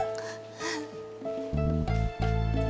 tuh papa udah dateng